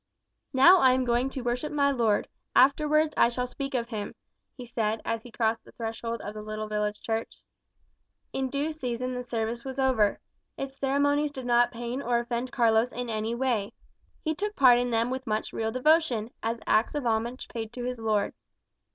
"Now I am going to worship my Lord, afterwards I shall speak of him," he said, as he crossed the threshold of the little village church. In due season the service was over. Its ceremonies did not pain or offend Carlos in any way; he took part in them with much real devotion, as acts of homage paid to his Lord.